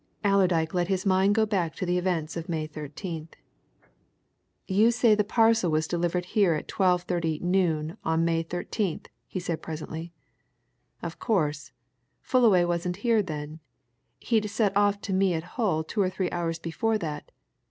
Allerdyke let his mind go back to the events of May 13th. "You say the parcel was delivered here at twelve thirty noon on May 13th?" he said presently. "Of course, Fullaway wasn't here then. He'd set off to me at Hull two or three hours before that.